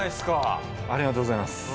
ありがとうございます。